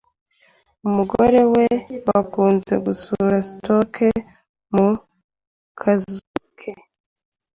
umugore we bakunze gusura Stokes mu kazu ke